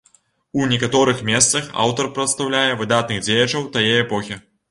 У некаторых месцах аўтар прадстаўляе выдатных дзеячаў тае эпохі.